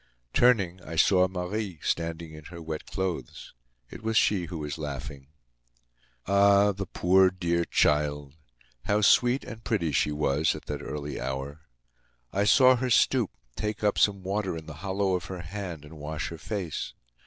Turning, I saw Marie, standing in her wet clothes. It was she who was laughing. Ah! the poor, dear child! How sweet and pretty she was at that early hour! I saw her stoop, take up some water in the hollow of her hand, and wash her face.